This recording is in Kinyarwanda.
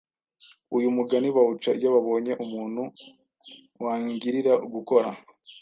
Uyu mugani bawuca iyo babonye umuntu wangirira gukora